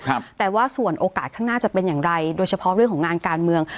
ครับแต่ว่าส่วนโอกาสข้างหน้าจะเป็นอย่างไรโดยเฉพาะเรื่องของงานการเมือง